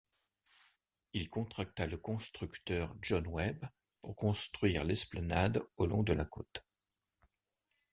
Il contracta le constructeur, John Webb, pour construire l'esplanade au long de la côte.